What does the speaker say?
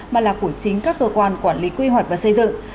mà là của chính các cơ quan quản lý quy hoạch và xây dựng